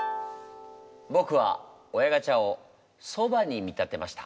ぼくは「親ガチャ」をそばに見立てました。